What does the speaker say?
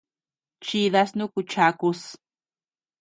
Chidas nuku chakus.